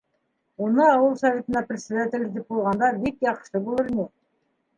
Уны ауыл Советына председатель итеп ҡуйғанда бик яҡшы булыр ине.